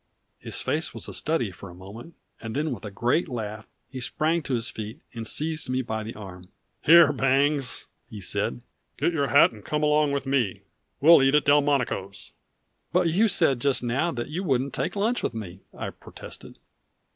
His face was a study for a moment, and then with a great laugh he sprang to his feet, and seized me by the arm. "Here, Bangs," he said, "get your hat and come along with me! We'll eat at Delmonico's." "But you said just now you wouldn't take lunch with me," I protested.